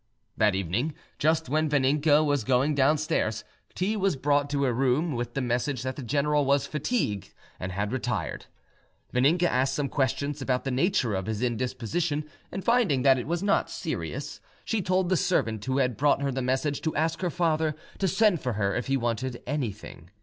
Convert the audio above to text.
That evening, just when Vaninka was going downstairs, tea was brought to her room, with the message that the general was fatigued and had retired. Vaninka asked some questions about the nature of his indisposition, and finding that it was not serious, she told the servant who had brought her the message to ask her father to send for her if he wanted anything.